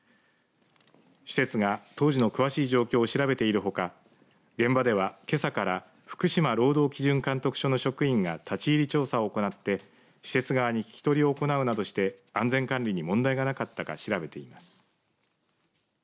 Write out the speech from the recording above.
施設が、当時の詳しい状況を調べているほか現場ではけさから福島労働基準監督署の職員が立ち入り調査を行って施設側に聞き取りを行うなどして安全管理に問題がなかったか調べています。